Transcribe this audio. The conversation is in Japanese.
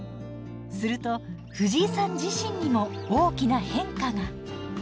するとフジイさん自身にも大きな変化が。